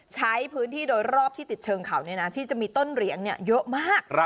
ใช้พื้นที่โดยรอบที่ติดเชิงเขาที่จะมีต้นเหรียงเยอะมาก